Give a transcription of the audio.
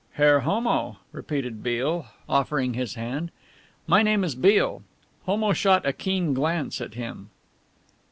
"Herr Homo," repeated Beale, offering his hand, "my name is Beale." Homo shot a keen glance at him.